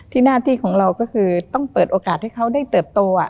หน้าที่ของเราก็คือต้องเปิดโอกาสให้เขาได้เติบโต